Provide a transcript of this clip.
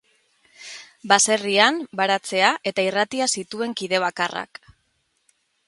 Baserrian, baratzea eta irratia zituen kide bakarrak.